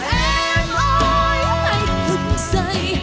em ơi anh thức dậy